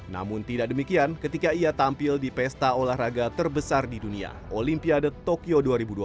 namun tidak demikian ketika ia tampil di pesta olahraga terbesar di dunia olimpiade tokyo dua ribu dua puluh